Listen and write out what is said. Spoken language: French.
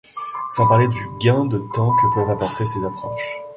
Sans parler du gain de temps que peuvent apporter ces approches.